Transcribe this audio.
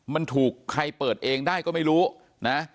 มันถูกใครเปิดเองได้ก็ไม่รู้นะ